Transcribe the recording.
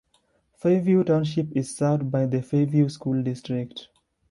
Fairview Township is served by the Fairview School District.